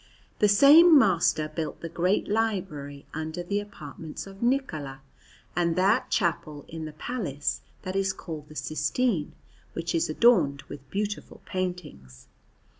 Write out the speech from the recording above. The same master built the Great Library under the apartments of Niccola, and that chapel in the Palace that is called the Sistine, which is adorned with beautiful paintings.